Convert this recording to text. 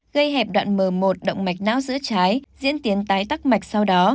gây hẹp đoạn m một động mạch não giữa trái diễn tiến tái tắc mạch sau đó